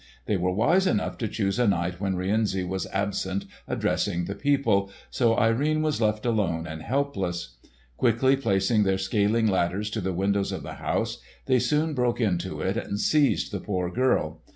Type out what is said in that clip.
They were wise enough to choose a night when Rienzi was absent addressing the people, so Irene was left alone and helpless. Quickly placing their scaling ladders to the windows of the house, they soon broke into it and seized the poor girl.